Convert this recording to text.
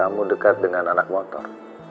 kamu dekat dengan anak motor